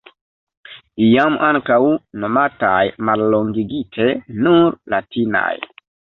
Iam ankaŭ nomataj mallongigite nur "latinaj".